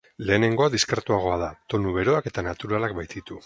Lehenengoa diskretuagoa da, tonu beroak eta naturalak baititu.